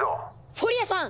フォリアさん！